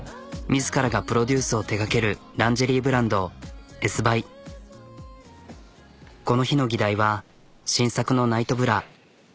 自らがプロデュースを手がけるランジェリーブランドこの日の議題は新作のナイトブラ。